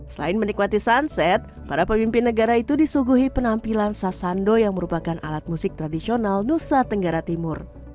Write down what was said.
selain menikmati sunset para pemimpin negara itu disuguhi penampilan sasando yang merupakan alat musik tradisional nusa tenggara timur